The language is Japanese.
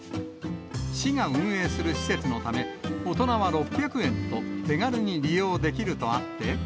市が運営する施設のため、大人は６００円と手軽に利用できるとあって。